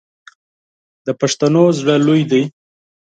د پښتنو زړه لوی دی.